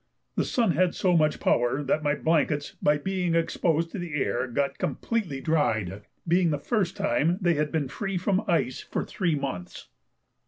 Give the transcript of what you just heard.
The sun had so much power that my blankets by being exposed to the air got completely dried, being the first time that they had been free from ice for three months.